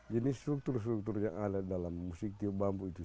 jadi struktur struktur yang alat dalam musik tiup bambu itu